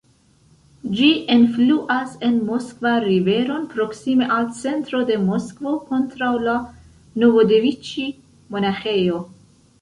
Ĝi enfluas en Moskva-riveron proksime al centro de Moskvo, kontraŭ la Novodeviĉij-monaĥejo.